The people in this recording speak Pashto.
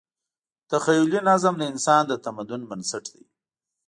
تخیلي نظم د انسان د تمدن بنسټ دی.